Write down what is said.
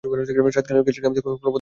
শীতকালীন গেমসে কোন পদক জিততে পারেনি।